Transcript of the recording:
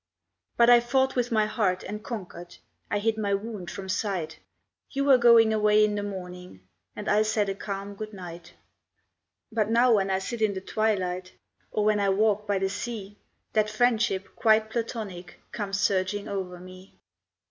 But I fought with my heart and conquered, I hid my wound from sight; You were going away in the morning, And I said a calm good night. But now when I sit in the twilight, Or when I walk by the sea That friendship, quite Platonic, Comes surging over me.